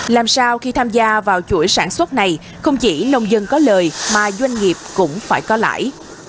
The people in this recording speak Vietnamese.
làm sao khi tham gia vào chuỗi sản xuất này không chỉ nông dân có lời mà doanh nghiệp cũng phải có lãi